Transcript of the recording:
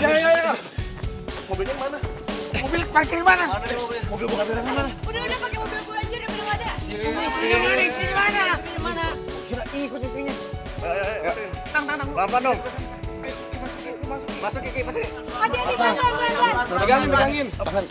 iya anak anak aja itulah